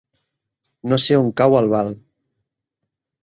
No sé on cau Albal.